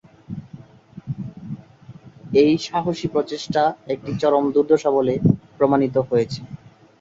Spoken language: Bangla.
এই সাহসী প্রচেষ্টা একটি "চরম দুর্দশা" বলে প্রমাণিত হয়েছে।